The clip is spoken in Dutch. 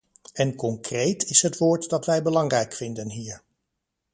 En concreet is het woord dat wij belangrijk vinden hier.